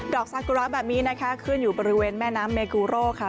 อกซากุระแบบนี้นะคะขึ้นอยู่บริเวณแม่น้ำเมกูโร่ค่ะ